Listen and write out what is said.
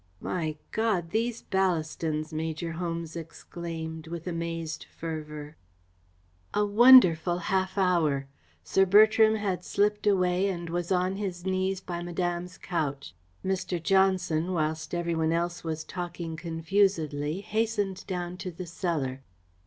"My God, these Ballastons!" Major Holmes exclaimed, with amazed fervour. A wonderful half hour! Sir Bertram had slipped away and was on his knees by Madame's couch. Mr. Johnson, whilst every one else was talking confusedly, hastened down to the cellar.